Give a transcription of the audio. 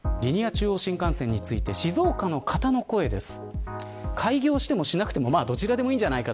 中央新幹線について静岡の方の声です。